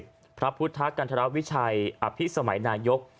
พระพุทธรูปศักดิ์สิทธิ์พระพุทธกันธรรมวิชัยอภิกษ์สมัยนายก